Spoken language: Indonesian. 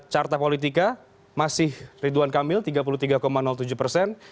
carta politika masih ridwan kamil tiga puluh tiga tujuh persen